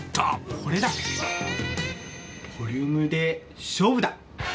ボリュームで勝負だ！